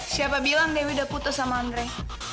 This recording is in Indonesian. siapa bilang dewi udah putus sama andre